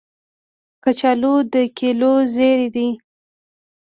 کچالو د کلیو زېری دی